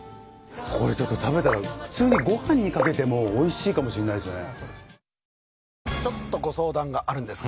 これちょっと食べたら普通にご飯に掛けてもおいしいかもしんないですね。